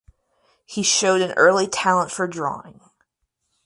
He showed an early talent for drawing.